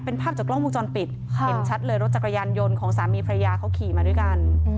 เป็นภาพจากกล้องวงจรปิดเห็นชัดเลยรถจักรยานยนต์ของสามีพระยาเขาขี่มาด้วยกัน